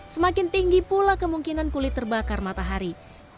semakin tinggi pula kemungkinan kulit terbakar matahari